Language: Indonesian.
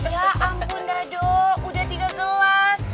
ya ampun dado udah tiga gelas